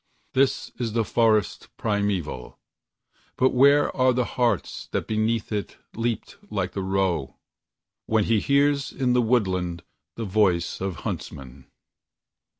This is the forest primeval; but where are the hearts that beneath it Leaped like the roe, when he hears in the woodland the voice of the huntsman?